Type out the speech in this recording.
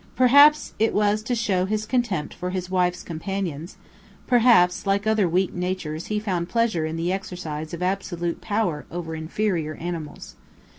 Perhaps it was to show his contempt for his wife's companions; perhaps, like other weak natures, he found pleasure in the exercise of absolute power over inferior animals.